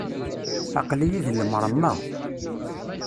Aql-iyi di lemṛemma!